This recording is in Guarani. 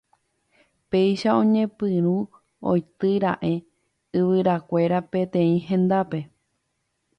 Péicha oñepyrũ oityraẽ yvyrakuéra peteĩ hendápe.